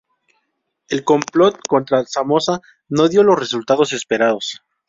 El complot contra Somoza no dio los resultados esperados.